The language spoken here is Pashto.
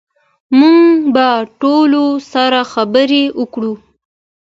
موږ به ټولو سره خبرې وکړو